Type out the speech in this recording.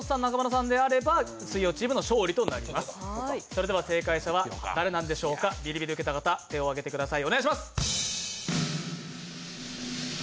それでは正解者は誰なんでしょうか、ビリビリ受けた方、手を挙げてください。